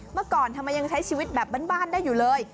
เมื่อก่อนทำไมยังใช้ชีวิตแบบบ้านได้อยู่เลย